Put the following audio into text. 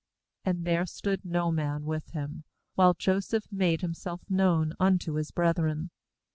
7 And there stood no man with him, while Joseph made himself known unto his brethren.